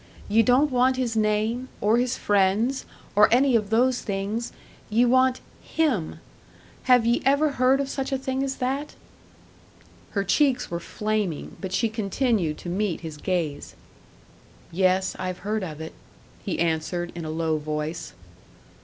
Ye don't want his name, or his friends, or any of those things ye want him!' Have ye ever heard of such a thing as that?" Her cheeks were flaming, but she continued to meet his gaze. "Yes, I've heard of it," he answered, in a low voice.